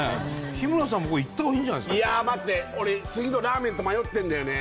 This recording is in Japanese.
日村さんもいったほうがいいんじゃないですか俺次のラーメンと迷ってんだよね